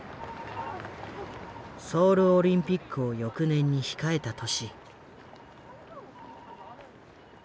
ソウルオリンピックを翌年に控えた年。